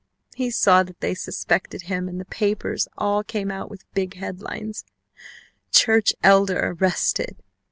He saw that they suspected him, and the papers all came out with big headlines, 'CHURCH ELDER ARRESTED.'"